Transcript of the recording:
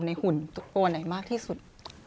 หุ่นตัวไหนมากที่สุด